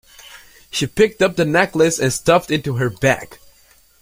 She picked up the necklace and stuffed it into her bag